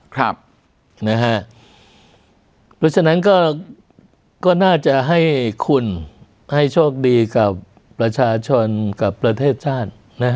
เพราะฉะนั้นก็น่าจะให้คุณให้โชคดีกับประชาชนกับประเทศชาติ